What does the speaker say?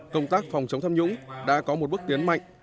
công tác phòng chống tham nhũng đã có một bước tiến mạnh